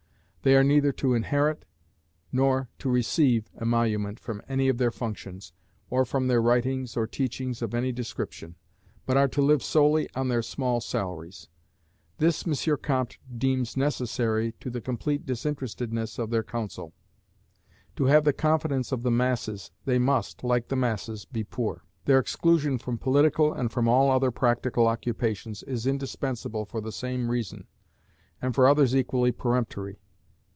They are neither to inherit, nor to receive emolument from any of their functions, or from their writings or teachings of any description, but are to live solely on their small salaries. This M. Comte deems necessary to the complete disinterestedness of their counsel. To have the confidence of the masses, they must, like the masses, be poor. Their exclusion from political and from all other practical occupations is indispensable for the same reason, and for others equally peremptory.